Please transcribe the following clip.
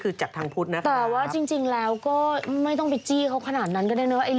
เทราปิสสเป็นว่าบำบัดนะผู้ชม